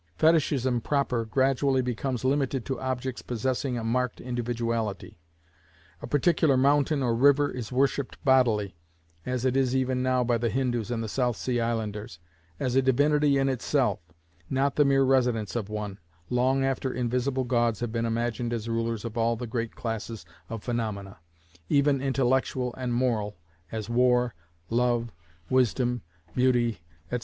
Fetichism proper gradually becomes limited to objects possessing a marked individuality. A particular mountain or river is worshipped bodily (as it is even now by the Hindoos and the South Sea Islanders) as a divinity in itself, not the mere residence of one, long after invisible gods have been imagined as rulers of all the great classes of phaenomena, even intellectual and moral, as war, love, wisdom, beauty, &c.